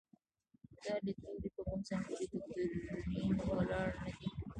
دا لیدلوری په کوم ځانګړي دوکتورین ولاړ نه دی.